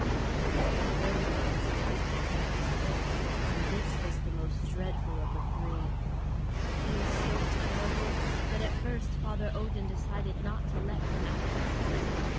The third monster was the Fenris wolf, and this was the most dreadful of the three. He was so terrible that at first Father Odin decided not to let him out of his sight.